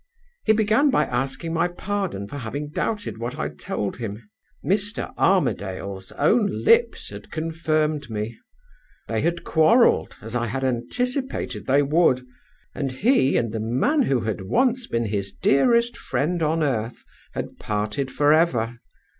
"He began by asking my pardon for having doubted what I told him. Mr. Armadale's own lips had confirmed me. They had quarreled (as I had anticipated they would); and he, and the man who had once been his dearest friend on earth, had parted forever.